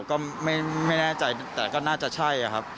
ก็ไม่แน่ใจแต่ก็น่าจะใช่ครับ